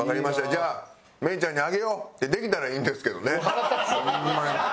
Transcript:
じゃあ芽郁ちゃんにあげようってできたらいいんですけどねホンマに。